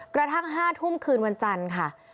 กระทั่ง๕ทุ่มคืนวันจันทร์ค่ะ